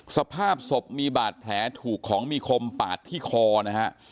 สภาพศพมีบาดแผลถูกของมีคมปาดที่คอนะฮะ